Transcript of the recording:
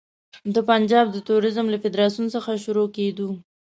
د پنجاب د توریزم له فدراسیون څخه شروع کېدو.